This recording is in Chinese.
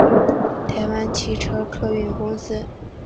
台湾汽车客运公司